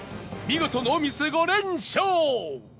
見事ノーミス５連勝